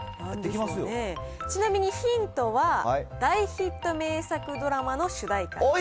ちなみにヒントは、大ヒット名作ドラマの主題歌です。